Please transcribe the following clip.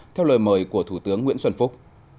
theo lời mời của thủ tướng nguyễn xuân phúc